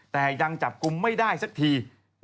แต่ยังจับกลุ่มไม่ได้สักที